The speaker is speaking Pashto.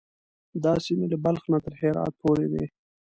دا سیمې له بلخ نه تر هرات پورې وې.